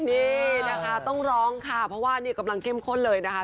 นี่นะคะต้องร้องค่ะเพราะว่านี่กำลังเข้มข้นเลยนะคะ